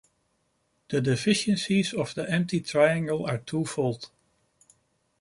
The deficiencies of the empty triangle are twofold.